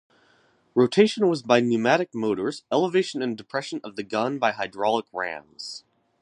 Rotation was by pneumatic motors, elevation and depression of the gun by hydraulic rams.